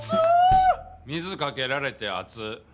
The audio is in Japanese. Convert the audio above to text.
水かけられて「熱っ！」。